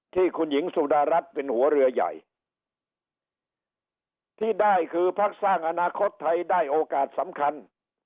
ที่คุณหญิงสุดารัฐเป็นหัวเรือใหญ่ที่ได้คือพักสร้างอนาคตไทยได้โอกาสสำคัญ